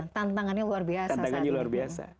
tantangannya luar biasa